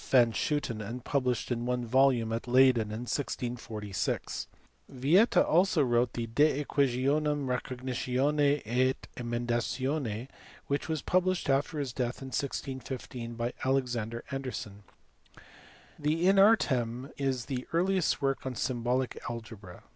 van Schooten and published in one volume at Leyden in 1646. Yieta also wrote the De JEquationum Recognitions et Emendations which was published after his death in 1615 by Alexander Anderson. The In Artem is the earliest work on symbolic algebra.